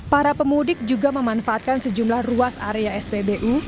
para pemudik juga memanfaatkan sejumlah ruas area spbu